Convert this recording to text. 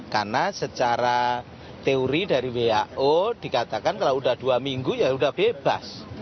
karena secara teori dari who dikatakan kalau sudah dua minggu ya sudah bebas